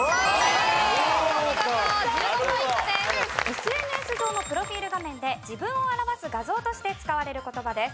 ＳＮＳ上のプロフィール画面で自分を表す画像として使われる言葉です。